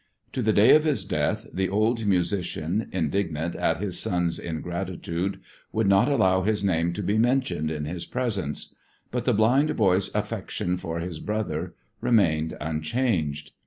To the day of his death the old musician, indignant at his son's ingratitude, would not allow his name to be mentioned in his presence; but the blind boy's affection for his brother remained unchanged.